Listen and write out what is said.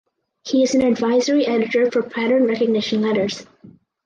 He is an advisory editor for "Pattern Recognition Letters".